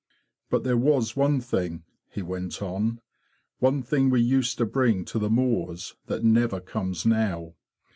'"" But there was one thing,'' he went on, '' one thing we used to bring to the moors that never comes now.